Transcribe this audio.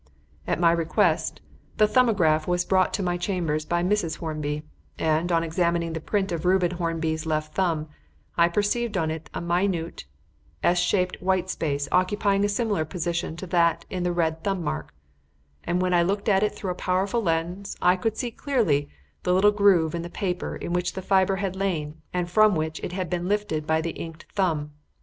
At my request, the 'Thumbograph' was brought to my chambers by Mrs. Hornby, and, on examining the print of Reuben Hornby's left thumb, I perceived on it a minute, S shaped white space occupying a similar position to that in the red thumb mark; and when I looked at it through a powerful lens, I could clearly see the little groove in the paper in which the fibre had lain and from which it had been lifted by the inked thumb.